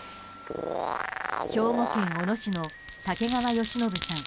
兵庫県小野市の竹川好信さん